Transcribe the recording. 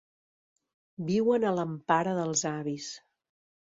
Viuen a l'empara dels avis.